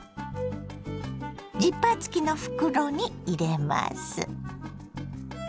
ジッパー付きの袋に入れます。